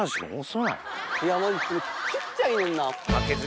いやマジ小っちゃいねんな。